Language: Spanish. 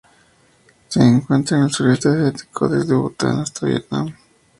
Se encuentra en el Sureste asiático, desde Bután hasta Vietnam.